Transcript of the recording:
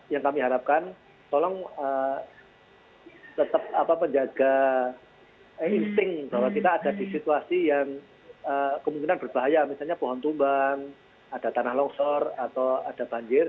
yang kami harapkan tolong tetap menjaga insting bahwa kita ada di situasi yang kemungkinan berbahaya misalnya pohon tumbang ada tanah longsor atau ada banjir